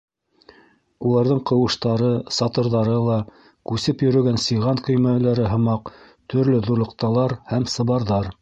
Уларҙың ҡыуыштары, сатырҙары ла, күсеп йөрөгән сиған көймәләре һымаҡ, төрлө ҙурлыҡталар һәм сыбарҙар.